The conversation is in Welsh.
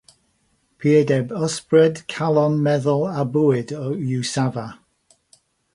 Purdeb ysbryd, calon, meddwl a bywyd yw Safa.